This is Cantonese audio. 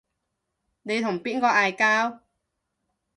你同邊個嗌交